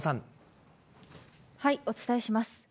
お伝えします。